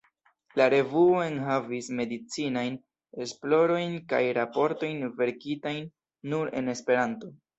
La revuo enhavis medicinajn esplorojn kaj raportojn verkitajn nur en Esperanto.